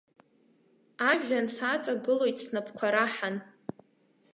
Ажәҩан сааҵагылоит снапқәа раҳан.